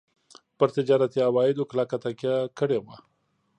پر تجارتي عوایدو کلکه تکیه کړې وه.